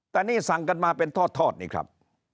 แต่นี่สั่งกันมาเป็นทอดนี่ครับ